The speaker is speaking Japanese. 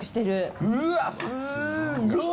うわすっごい！